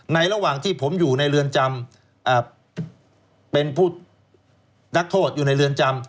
ระหว่างที่ผมอยู่ในเรือนจำเป็นผู้นักโทษอยู่ในเรือนจำ